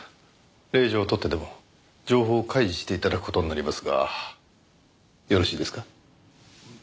令状を取ってでも情報を開示して頂く事になりますがよろしいですか？